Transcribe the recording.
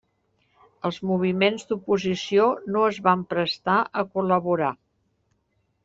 Els moviments d'oposició no es van prestar a col·laborar.